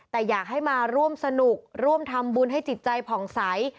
แต่อยากให้มาร่วมสนุกร่วมทำบุญให้จิตใจผ่องใส